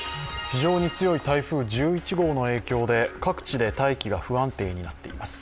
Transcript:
非常に強い台風１１号の影響で各地で大気が不安定になっています。